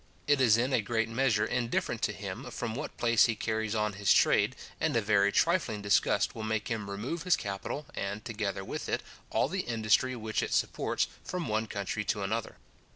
It is in a great measure indifferent to him from what place he carries on his trade; and a very trifling disgust will make him remove his capital, and, together with it, all the industry which it supports, from one country to another.